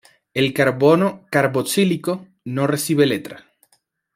El carbono carboxílico no recibe letra.